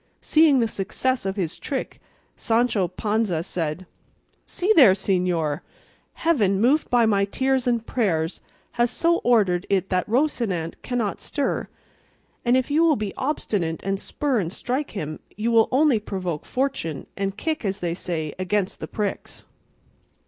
Seeing the success of his trick, Sancho Panza said: "See there, señor! Heaven, moved by my tears and prayers, has so ordered it that Rocinante cannot stir; and if you will be obstinate, and spur and strike him, you will only provoke fortune, and kick, as they say, against the pricks."